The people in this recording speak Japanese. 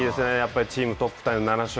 チームトップタイの７勝。